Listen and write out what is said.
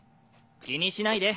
気にしないで。